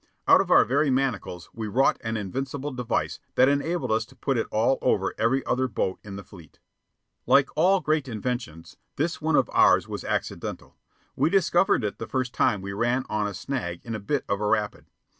Out of our very manacles we wrought an invincible device that enabled us to put it all over every other boat in the fleet. Like all great inventions, this one of ours was accidental. We discovered it the first time we ran on a snag in a bit of a rapid.